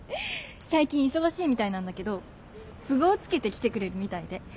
最近忙しいみたいなんだけど都合つけて来てくれるみたいで。